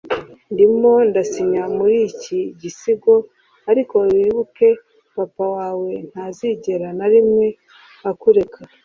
ndimo ndasinya muri iki gisigo, ariko wibuke, papa wawe ntazigera, na rimwe, akureka